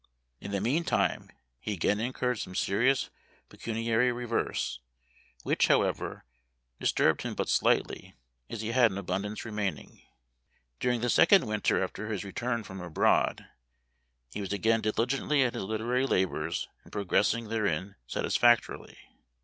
In the meantime he again incurred some serious pecuniary reverse, which, however, disturbed him but slightly, as he had an abun dance remaining. During the second winter after his return from abroad, he was again dili gently at his literary labors and progressing therein satisfactorily.